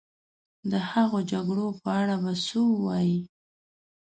د هغو جګړو په اړه به څه ووایې.